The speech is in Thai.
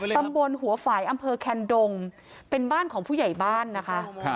ตำบลหัวฝ่ายอำเภอแคนดงเป็นบ้านของผู้ใหญ่บ้านนะคะ